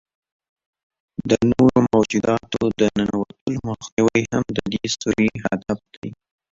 د نورو موجوداتو د ننوتلو مخنیوی هم د دې سوري هدف دی.